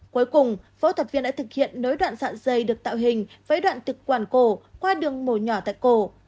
cuối cùng phẫu thuật viên đã thực hiện nối đoạn dạ dày được tạo hình với đoạn thực quản cổ qua đường mổ nhỏ tại cổ